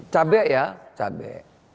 cabai ya cabai